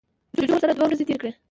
جوجو ورسره دوه ورځې تیرې کړې.